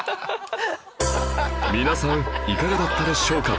皆さんいかがだったでしょうか？